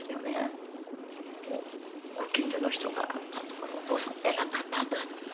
ご近所の人が「あんたのとこのお父さんは偉かったんだ」と。